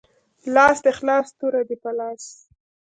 لاس دی خلاص توره دی په لاس